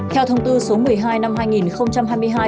theo thông tư số một mươi hai năm hai nghìn hai mươi hai